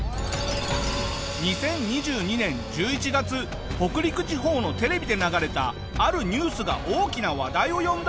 ２０２２年１１月北陸地方のテレビで流れたあるニュースが大きな話題を呼んだ。